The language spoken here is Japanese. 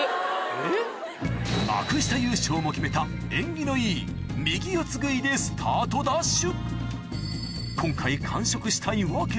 幕下優勝も決めた縁起のいい右四つ食いでスタートダッシュ